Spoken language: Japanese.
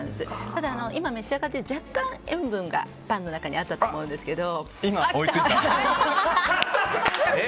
ただ、今召し上がっていただいて若干、塩分がパンの中にあったと思うんですけど。